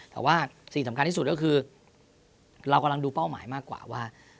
แต่ว่าสิ่งสำคัญที่สุดก็คือเรากำลังดูเป้าหมายมากกว่าว่า